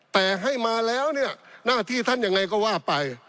แต่ให้มาแล้วเนี่ยหน้าที่ท่านยังไงก็ว่าไป